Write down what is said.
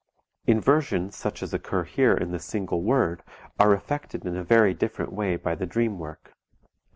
Inversions such as occur here in the single word are effected in a very different way by the dream work.